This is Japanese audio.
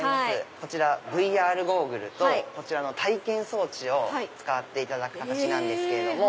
こちらＶＲゴーグルとこちらの体験装置を使っていただく形なんですけども。